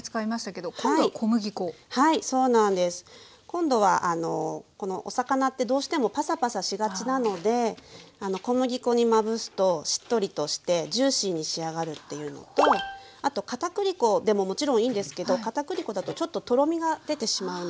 今度はこのお魚ってどうしてもパサパサしがちなので小麦粉にまぶすとしっとりとしてジューシーに仕上がるっていうのとあとかたくり粉でももちろんいいんですけどかたくり粉だとちょっととろみが出てしまう。